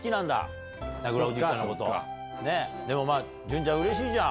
でも潤ちゃんうれしいじゃん。